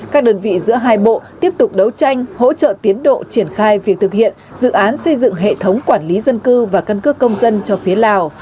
các đơn vị giữa hai bộ tiếp tục đấu tranh hỗ trợ tiến độ triển khai việc thực hiện dự án xây dựng hệ thống quản lý dân cư và cân cước công dân cho phía lào